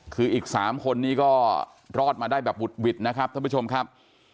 คืออีก๓คนนี้ก็รอดมาได้แบบบุดหวิดนะครับท่านผู้ชมครับ